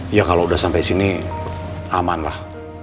ya kalau udah sampai sini aman lah